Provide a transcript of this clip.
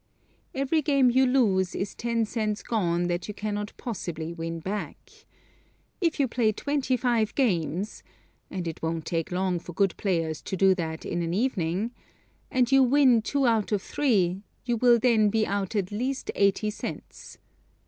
Every game you lose is ten cents gone that you can not possibly win back. If you play twenty five games, (and it won't take long for good players to do that in an evening), and you win two out of three, you will then be out at least eighty cents.